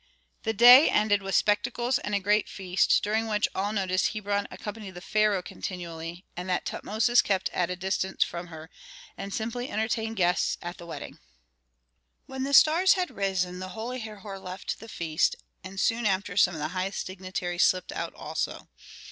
The day ended with spectacles and a great feast, during which all noticed that Hebron accompanied the pharaoh continually, and that Tutmosis kept at a distance from her, and simply entertained guests at the wedding. When the stars had risen the holy Herhor left the feast, and soon after some of the highest dignitaries slipped out also.